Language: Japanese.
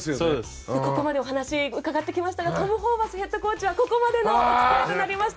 ここまでお話を伺ってまいりましたがトム・ホーバスヘッドコーチはここまでになります。